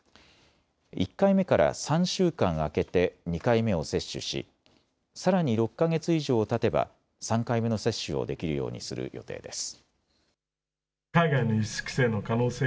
１回目から３週間空けて２回目を接種しさらに６か月以上たてば３回目の接種をできるようにする予定です。